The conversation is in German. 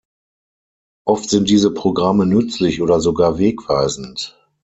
Oft sind diese Programme nützlich oder sogar wegweisend.